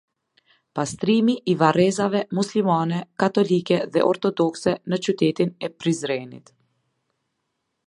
Pastrimi i varrezave muslimane katolike dhe ortodokse ne qytetin e prizrenit